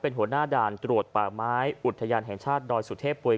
เป็นหัวหน้าด่านตรวจปลาหมาย